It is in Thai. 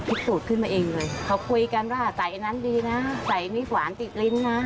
พิสูจน์ขึ้นมาเองเลยเขาคุยกันว่าสายอันนั้นดีนะสายมีหวานติดลิ้นน่ะ